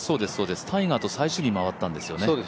タイガーと最終日、回ったんですよね。